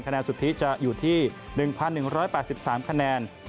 แนนสุทธิจะอยู่ที่๑๑๘๓คะแนน